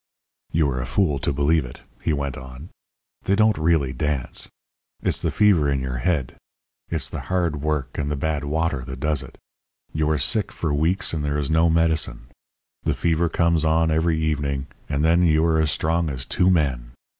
"You are a fool to believe it," he went on. "They don't really dance. It's the fever in your head. It's the hard work and the bad water that does it. You are sick for weeks and there is no medicine. The fever comes on every evening, and then you are as strong as two men.